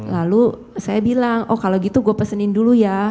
lalu saya bilang oh kalau gitu gue pesenin dulu ya